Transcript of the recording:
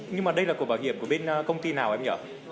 nhưng mà đây là cổ bảo hiểm của bên công ty nào em nhở